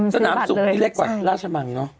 สนามศุกร์นี่เล็กกว่าราชมังเนอะ